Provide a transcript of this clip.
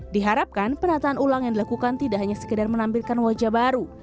diharapkan penataan ulang yang dilakukan tidak hanya sekedar menampilkan wajah baru